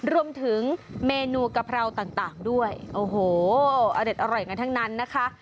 รวมถึงเมนูกะเพราต่างด้วยโอ้โหอเด็ดอร่อยกันทั้งนั้นนะคะ